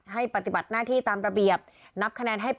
ให้ปฏิบัติหน้าที่ตามประเบียบ